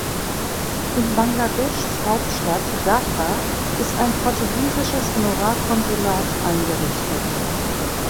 In Bangladeschs Hauptstadt Dhaka ist ein portugiesisches Honorarkonsulat eingerichtet.